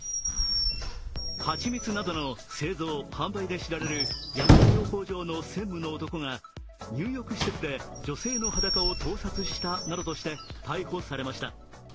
蜂蜜などの製造・販売で知られる山田養蜂場の専務の男が入浴施設で女性の裸を盗撮したなどとして逮捕されました。